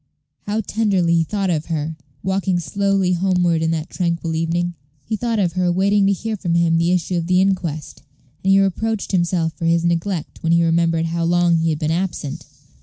How tenderly he thought of her, walking slowly homeward in that tranquil evening? He thought of her waiting to hear from him the issue of the inquest, and he reproached himself for his neglect when he remembered how long he had been absent.